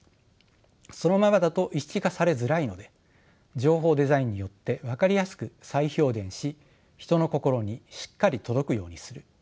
そのままだと意識化されづらいので情報デザインによって分かりやすく再表現し人の心にしっかり届くようにする。